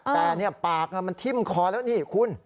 แต่ปากมันทิ้มคอแล้วนี่คุณ